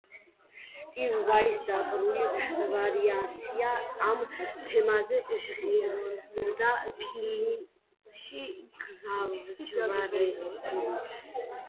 სტივ ვაის დაკრული ვარიაცია ამ თემაზე ჟღერდა ფილმში „გზაჯვარედინი“.